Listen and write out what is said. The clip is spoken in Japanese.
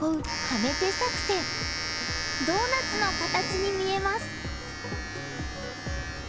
ドーナツの形に見えます。